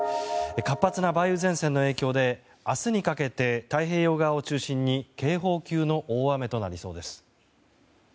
活発な梅雨前線の影響で明日にかけて太平洋側を中心に警報級の大雨となりそうです。